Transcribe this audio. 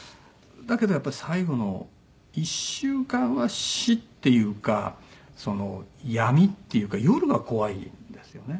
だけどやっぱり最後の１週間は死っていうか闇っていうか夜が怖いんですよね。